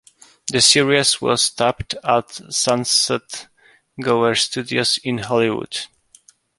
The series was taped at Sunset-Gower Studios in Hollywood.